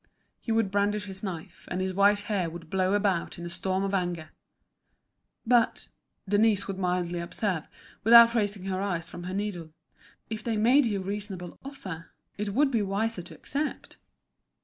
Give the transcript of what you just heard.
He would brandish his knife, and his white hair would blow about in a storm of anger. "But," Denise would mildly observe, without raising her eyes from her needle, "if they made you a reasonable offer, it would be wiser to accept."